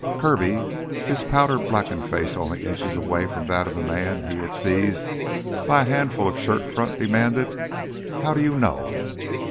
Kirby, his powder blackened face only inches away from that of the man he had seized by a handful of shirt front, demanded: "How do you know?"